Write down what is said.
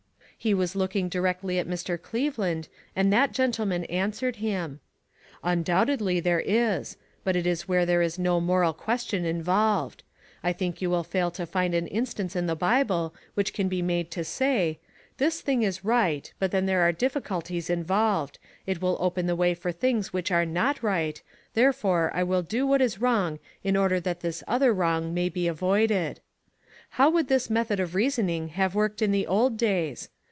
He was looking directly at Mr. Cleveland, and that gentleman answered him : "Undoubtedly, there is; but it is where there is no moral question involved. I think you will fail to find an instance in the Bible which can be made to say :' This thing is right, but then there are difficulties involved. It will open the way for things which are not right, therefore I will do what is wrong in order that this other wrong may be avoided.' How would this 3l6 ONE COMMONPLACE DAY. method of reasoning have worked in the old days?